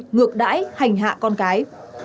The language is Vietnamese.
ngược đãi hành hạ con cái